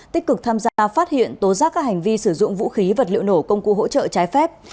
tích cực tham gia phát hiện tố giác các hành vi sử dụng vũ khí vật liệu nổ công cụ hỗ trợ trái phép